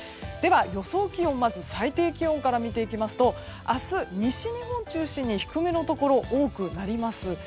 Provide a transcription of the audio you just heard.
では予想気温まず最低気温から見ていきますと明日、西日本を中心に低めのところが多くなります。